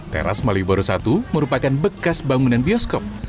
teras malioboro i merupakan bekas bangunan bioskop